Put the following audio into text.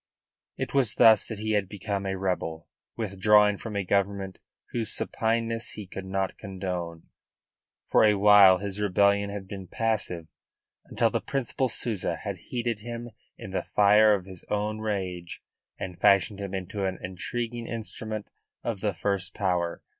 It was thus that he had become a rebel, withdrawing from a government whose supineness he could not condone. For a while his rebellion had been passive, until the Principal Souza had heated him in the fire of his own rage and fashioned him into an intriguing instrument of the first power.